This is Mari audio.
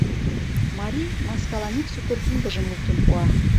Марий маскалан ик сукыр киндыжым луктын пуа.